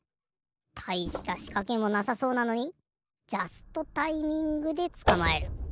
たいしたしかけもなさそうなのにジャストタイミングでつかまえる。